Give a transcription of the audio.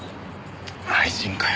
愛人かよ。